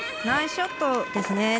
ナイスショットですね。